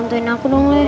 nantuin aku dong le